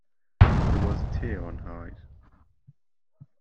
There was a tear on her eyes.